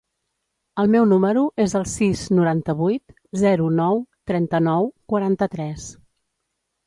El meu número es el sis, noranta-vuit, zero, nou, trenta-nou, quaranta-tres.